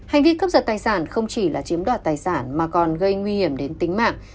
hành vi cướp giật tài sản không chỉ là chiếm đoạt tài sản mà còn gây nguy hiểm đến tính mạng